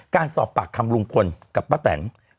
การสอบปากคำลุงพลกับป้าแตน